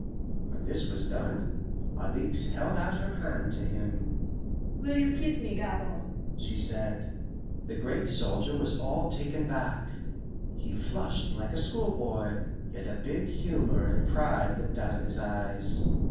When this was done, Alixe held out her hand to him. "Will you kiss me, Gabord?" she said. The great soldier was all taken back. He flushed like a schoolboy, yet a big humour and pride looked out of his eyes.